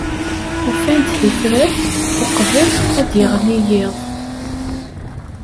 Ufan-d tifrat uqbel ad d-yeɣli yiḍ